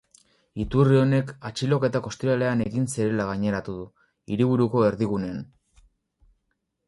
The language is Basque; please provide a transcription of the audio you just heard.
Iturri honek atxiloketak ostiralean egin zirela gaineratu du, hiriburuko erdigunean.